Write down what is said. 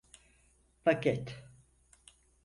Paket…